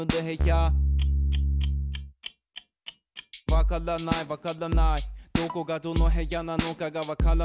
「わからないわからないどこがどの部屋なのかがわからない」